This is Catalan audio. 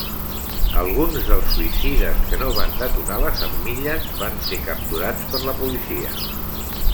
Alguns dels suïcides que no van detonar les armilles van ser capturats per la policia.